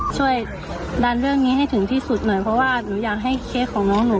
ช่วยดันเรื่องนี้ให้ถึงที่สุดหน่อยเพราะว่าหนูอยากให้เคสของน้องหนู